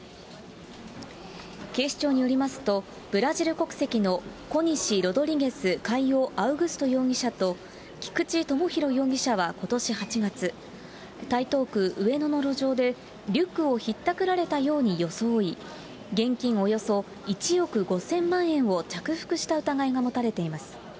警視庁によりますと、ブラジル国籍のコニシ・ロドリゲス・カイオ・アウグスト容疑者と菊地友博容疑者はことし８月、台東区上野の路上で、リュックをひったくられたように装い、現金およそ１億５０００万円を着服した疑いが持たれています。